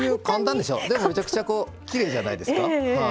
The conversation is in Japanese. でも、めちゃくちゃきれいじゃないですか？